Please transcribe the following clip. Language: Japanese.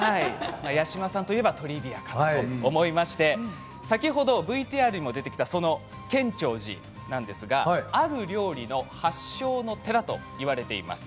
八嶋さんといえばトリビアだと思いまして先ほど出てきた建長寺なんですがある料理の発祥の寺といわれています。